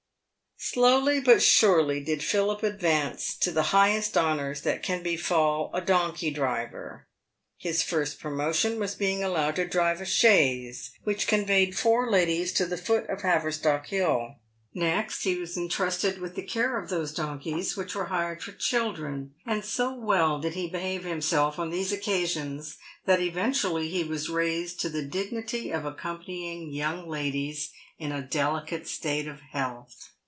Slowly but surely did Philip advance to the highest honours that can befal a donkey driver. His first promotion was being allowed to drive a chaise, which conveyed four ladies to the foot of Haverstock hill. Next, he was entrusted with the care of those donkeys which were hired for children, and so well did he behave himself on these occasions, that eventually he was raised to the dignity of accompany ing young ladies in a delicate state of health.